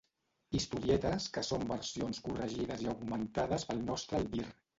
Historietes que són versions corregides i augmentades pel nostre albir.